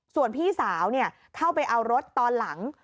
ส่วนพี่สาวเข้าไปเอารถตอนหลัง